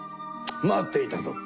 待っていたぞ！